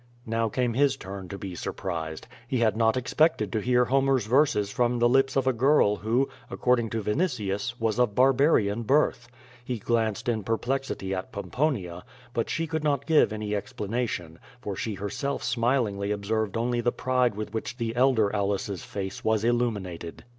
Now came his turn to be surprised. He had not expected to hear Homer's verses from the lips of a girl who, according to Vinitius, was of barbarian birth. He glanced in perplex ity at Pomponia, but she could not give any explanation, for she herself smilingly observed only the pride with which the elder Aulus^s face was illuminated.